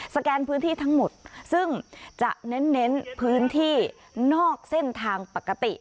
แกนพื้นที่ทั้งหมดซึ่งจะเน้นพื้นที่นอกเส้นทางปกติ